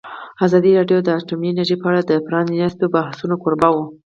ازادي راډیو د اټومي انرژي په اړه د پرانیستو بحثونو کوربه وه.